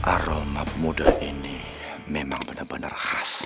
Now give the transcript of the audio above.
aroma muda ini memang bener bener khas